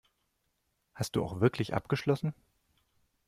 Hast du auch wirklich abgeschlossen?